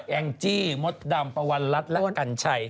แองจี้มดดำปะวันรัฐและกัญชัย